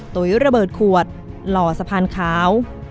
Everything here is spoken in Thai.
ตุ๋ยระเบิดขวดหล่อสะพานขาว